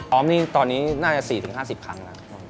ซ้อมนี่ตอนนี้น่าจะ๔๕๐ครั้ง